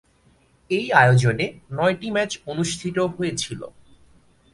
এই আয়োজনে নয়টি ম্যাচ অনুষ্ঠিত হয়েছিল।